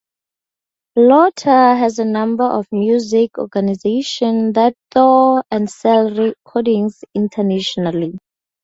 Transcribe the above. Luther has a number of music organizations that tour and sell recordings internationally.